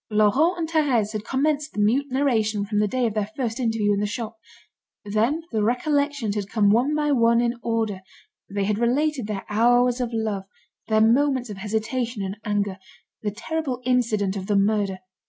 Laurent and Thérèse had commenced the mute narration from the day of their first interview in the shop. Then the recollections had come one by one in order; they had related their hours of love, their moments of hesitation and anger, the terrible incident of the murder.